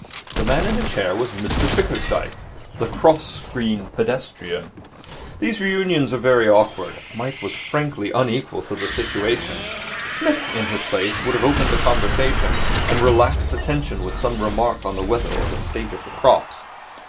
The man in the chair was Mr Bickersdyke, the cross screen pedestrian. These reunions are very awkward. Mike was frankly unequal to the situation. Psmith, in his place, would have opened the conversation, and relaxed the tension with some remark on the weather or the state of the crops.